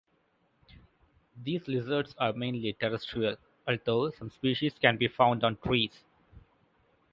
These lizards are mainly terrestrial although some species can be found on trees.